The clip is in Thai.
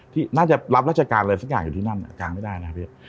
ที่น่าจะรับราชการอะไรสักอย่างอยู่ที่นั่นกลางไม่ได้นะครับพี่